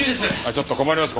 ちょっと困ります